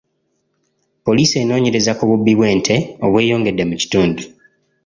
Poliisi enoonyereza ku bubbi bw'ente obweyongedde mu kitundu.